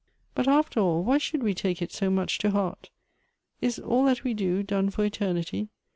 "But after all why should we take it so much to heart? is all that we do, done for eternity